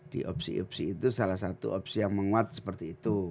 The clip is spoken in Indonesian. di opsi opsi itu salah satu opsi yang menguat seperti itu